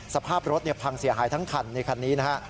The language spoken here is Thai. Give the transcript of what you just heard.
สภาพรถพังเสียหายทั้งคันในคันนี้นะฮะ